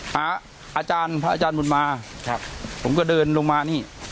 อาจารย์พระอาจารย์บุญมาผมก็เดินลงมานี่